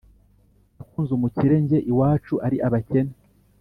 nakunze umukire njye iwacu ari abakene…